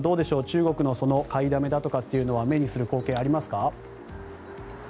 中国の買いだめというのは目にする光景、ありますか？